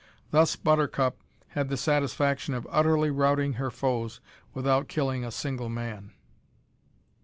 Thus Buttercup had the satisfaction of utterly routing her foes without killing a single man!